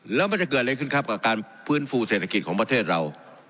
แล้วมันจะเกิดอะไรขึ้นครับกับการฟื้นฟูเศรษฐกิจของประเทศเรา